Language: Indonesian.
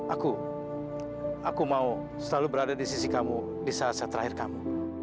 aku aku mau selalu berada di sisi kamu di saat saat terakhir kamu